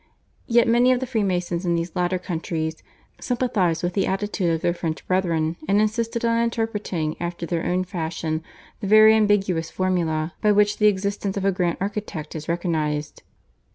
Yet many of the Freemasons in these latter countries sympathised with the attitude of their French brethren, and insisted on interpreting after their own fashion the very ambiguous formula by which the existence of a grand architect is recognised.